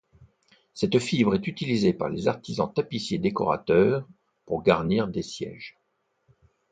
Cette fibre est utilisée par les artisans tapissiers-décorateurs pour garnir des sièges.